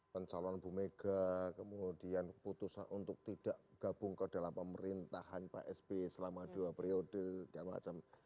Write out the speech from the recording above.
pencalon bumega kemudian keputusan untuk tidak gabung ke dalam pemerintahan pak sp selama dua periode dan macam